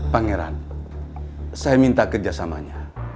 pangeran saya minta kerjasamanya